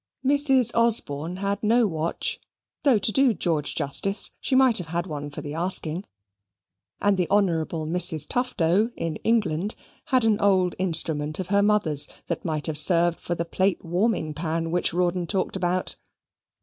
Mrs. Osborne had no watch, though, to do George justice, she might have had one for the asking, and the Honourable Mrs. Tufto in England had an old instrument of her mother's that might have served for the plate warming pan which Rawdon talked about.